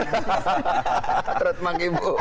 terut emang ibu